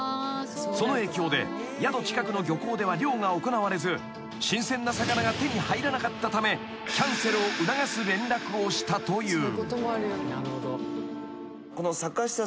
［その影響で宿近くの漁港では漁が行われず新鮮な魚が手に入らなかったためキャンセルを促す連絡をしたという］